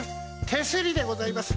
手すりでございます。